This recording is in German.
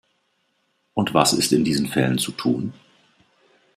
Und was ist in diesen Fällen zu tun?